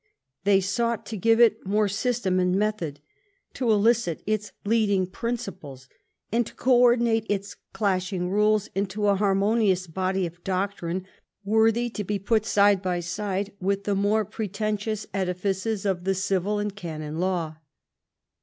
They sought to give it more system and method, to elicit its leading principles, and to co ordinate its clashing rules into a harmonious body of doctrine worthy to be put side by CHAP. VII EDWARD'S LEGISLATION 121 side with the more pretentious edifices of the Civil and Canon Law.